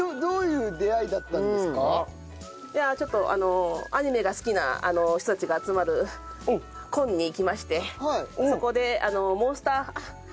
ちょっとアニメが好きな人たちが集まるコンに行きましてそこで『モンスターハンター』ゲームですね